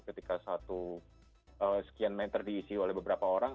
ketika satu sekian meter diisi oleh beberapa orang